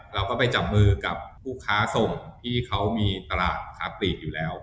เราก็ไปจับมือกับผู้ค้าส่งที่เขามีตลาดค้าปลีกอยู่แล้ว